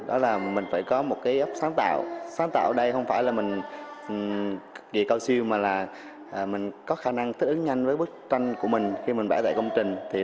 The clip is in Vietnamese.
đó là mình phải có một cái ấp sáng tạo sáng tạo đây không phải là mình ghi cao siêu mà là mình có khả năng thích ứng nhanh với bức tranh của mình khi mình bãi tại công trình